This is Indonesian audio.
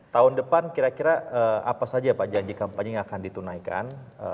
tahun depan kira kira apa saja pak janji kampanye yang akan ditunaikan